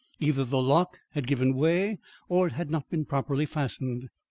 Either the lock had given way or it had not been properly fastened.